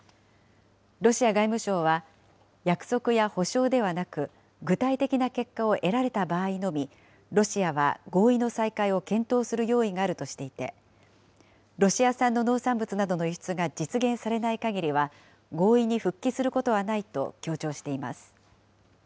ロシア外務省は、約束や保証ではなく、具体的な結果を得られた場合のみ、ロシアは合意の再開を検討する用意があるとしていて、ロシア産の農産物などの輸出が実現されないかぎりは、合意に復帰することはないと強調しています。